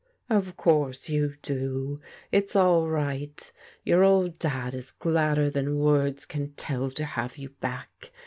"" Of course you do ! It's all right. Your old Dad is gladder than words can tell to have you back.